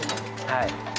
はい。